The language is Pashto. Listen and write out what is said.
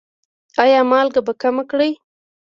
ایا مالګه به کمه کړئ؟